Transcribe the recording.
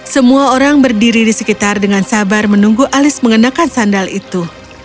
semua orang berdiri di sekitar dengan sabar menunggu alis mengenakan sandal itu